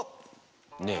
ねえ